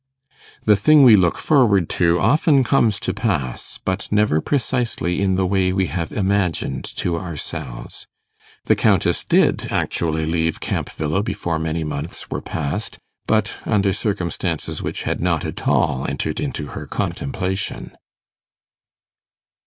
The thing we look forward to often comes to pass, but never precisely in the way we have imagined to ourselves. The Countess did actually leave Camp Villa before many months were past, but under circumstances which had not at all entered into her contemplation.